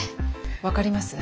分かります。